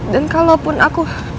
dan kalaupun aku